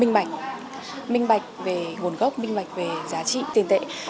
minh bạch về nguồn gốc minh bạch về giá trị tiền tệ